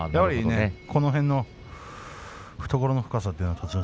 この辺りの懐の深さというのが栃ノ